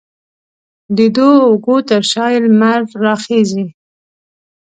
د دوو اوږو تر شا یې لمر راخیژي